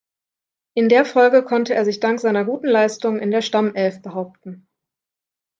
In der Folge konnte er sich dank seiner guten Leistungen in der Stammelf behaupten.